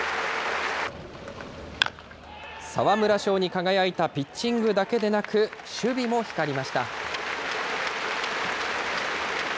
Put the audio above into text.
沢村賞に輝いたピッチングだけでなく、守備も光りました。